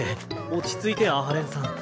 落ち着いて阿波連さん。